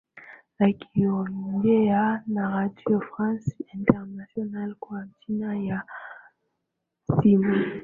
akiongea na redio france international kwa njia ya simu